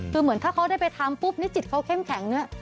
คือเหมือนถ้าเขาได้ไปทำปุ๊บนี่จิตเขาเข้มแข็งเนี่ย